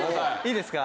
いいですか？